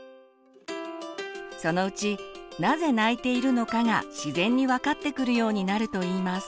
そのうちなぜ泣いているのかが自然に分かってくるようになるといいます。